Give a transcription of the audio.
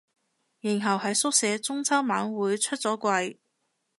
然後喺宿舍中秋晚會出咗櫃